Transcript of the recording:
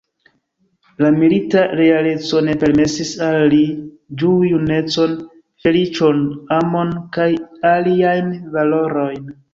La milita realeco ne permesis al ili ĝui junecon, feliĉon, amon kaj aliajn valorojn.